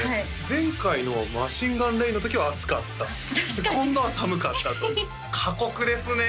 前回の「マシンガンレイン」のときは暑かった今度は寒かったという過酷ですね